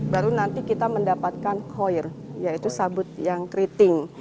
baru nanti kita mendapatkan koir yaitu sabut yang keriting